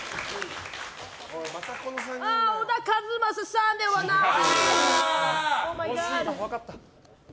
小田和正さんではない！